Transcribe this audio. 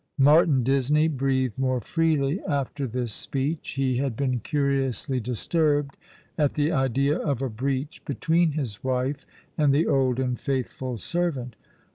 Martin Disney breathed more freely after this speech. He had been curiously disturbed at the idea of a breach between his wife and the old and faithful servant.